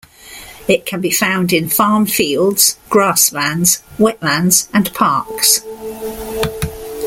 It can be found in farm fields, grasslands, wetlands, and parks.